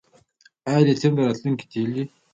آیا لیتیم د راتلونکي تیل دي؟